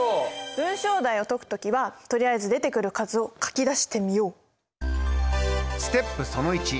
文章題を解く時はとりあえず出てくる数を書き出してみよう！